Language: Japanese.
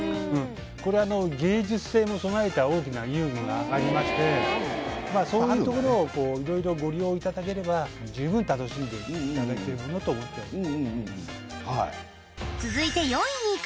これは芸術性も備えた大きな遊具がありましてそういうところを色々ご利用いただければ十分楽しんでいただけるものと思っております